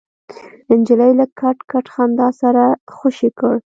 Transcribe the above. نجلۍ له کټ کټ خندا سره خوشې کړ.